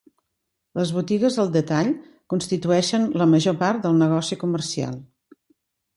Les botigues al detall constitueixen la major part del negoci comercial.